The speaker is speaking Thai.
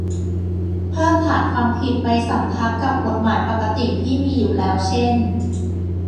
เพิ่มฐานความผิดไปสำทับกับกฎหมายปกติที่มีอยู่แล้วเช่น